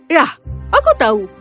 yah aku tahu